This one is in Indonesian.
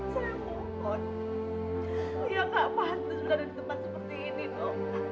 saya nggak pantas ada di tempat ini dok